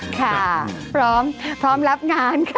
ค่ะพร้อมรับงานค่ะ